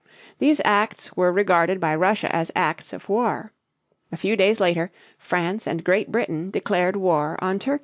These acts were regarded by Russia as acts of war. A few days later France and Great Britain declared war on Turkey.